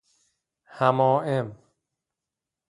حمائم